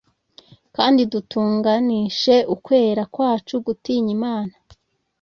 kandi dutunganishe ukwera kwacu gutinya Imana